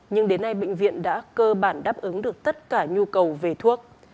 nhưng đến nay bệnh viện đã cơ bản đáp ứng được tất cả nhu cầu về thuốc